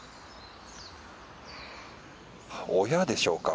親でしょうか？